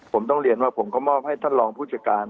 ผมต้องเรียนว่าผมก็มอบให้ท่านรองผู้จัดการ